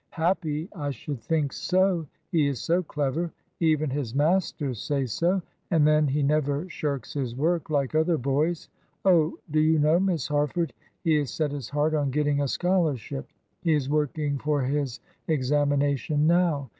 "Happy! I should think so! He is so clever even his masters say so; and then, he never shirks his work like other boys. Oh, do you know, Miss Harford, he has set his heart on getting a scholarship; he is working for his examination now.